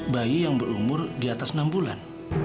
bayi yang berumur diatas enam bulan